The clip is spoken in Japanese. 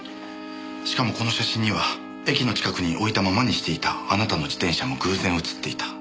しかもこの写真には駅の近くに置いたままにしていたあなたの自転車も偶然写っていた。